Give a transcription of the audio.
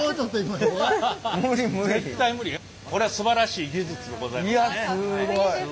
これはすばらしい技術でございますね。